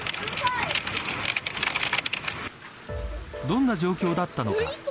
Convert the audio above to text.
どんな状況だったのか。